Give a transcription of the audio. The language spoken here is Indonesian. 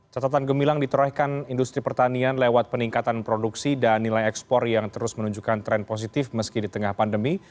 catatan gemilang diterahihkan industri pertanian lewat peningkatan produksi dan nilai ekspor yang terus menunjukkan tren positif meski di tengah pandemi